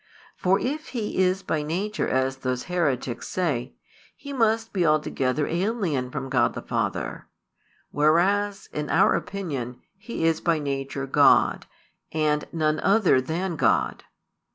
For if He is by nature as those heretics say, He must be altogether alien from God the Father; whereas in our opinion He is by nature God, and none other than God.